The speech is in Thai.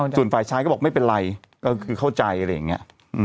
ส่วนฝ่ายชายก็บอกไม่เป็นไรก็คือเข้าใจอะไรอย่างนี้